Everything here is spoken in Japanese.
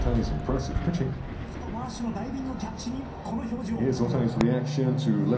レフト、マーシュのダイビングキャッチに、この表情。